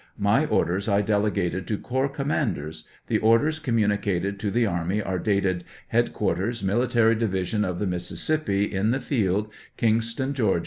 My orders I delegated to corps commanders ; the orders communicated to the army are dated, " Head quarters, Military division of the Mississippi, in the field, Kingston, Ga.